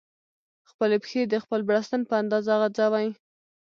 خپلې پښې د خپل بړستن په اندازه غځوئ.